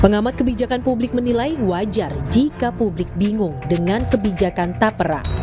pengamat kebijakan publik menilai wajar jika publik bingung dengan kebijakan tapera